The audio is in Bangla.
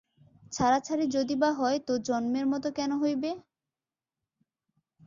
ছাড়াছাড়ি যদি বা হয় তো জন্মের মতো কেন হইবে?